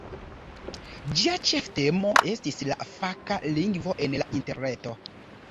Ĝia ĉeftemo estis "La faka lingvo en la interreto".